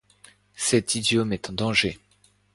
Cet idiome est en danger.